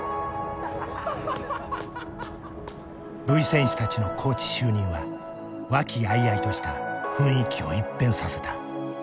Ｖ戦士たちのコーチ就任は和気あいあいとした雰囲気を一変させた。